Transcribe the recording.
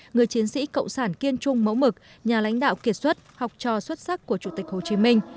người chiến sĩ cộng sản kiên trung mẫu mực nhà lãnh đạo kiệt xuất học trò xuất sắc của chủ tịch hồ chí minh